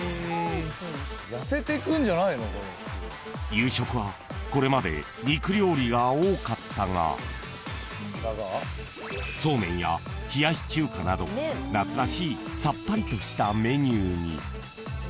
［夕食はこれまで肉料理が多かったがそうめんや冷やし中華など夏らしいさっぱりとしたメニューに］